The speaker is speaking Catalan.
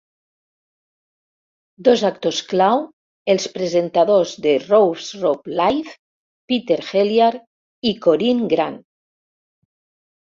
Dos actors clau els presentadors de Rove's Rove Live, Peter Helliar i Corinne Grant.